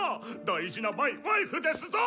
大事なマイワイフですぞ！